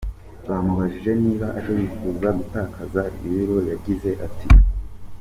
Bamubajije niba ajya yifuza gutakaza ibiro yagize ati:.